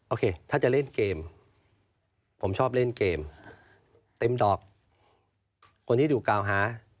โอเคถ้าจะเล่นเกมผมชอบเล่นเกมเต็มดอกคนที่ถูกกล่าวหา